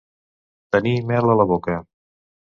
Tenir mel a la boca.